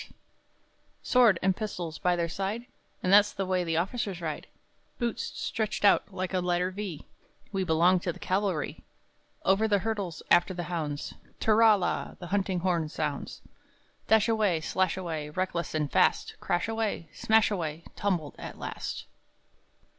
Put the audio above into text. [Boisterously] Sword and pistols by their side, And that's the way the officers ride! Boots stretched out like a letter V, we belong to the cavalry! Over the hurdles after the hounds, tirra la! the hunting horn sounds Dashaway, slashaway, reckless and fast! Crashaway, smashaway, tumbled at last!